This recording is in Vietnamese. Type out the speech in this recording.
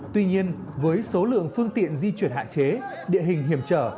tuy nhiên với số lượng phương tiện di chuyển hạn chế địa hình hiểm trở